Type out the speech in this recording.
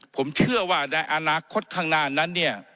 ผมเชื่อว่าในอนาคตข้างหน้านั้นเนี่ย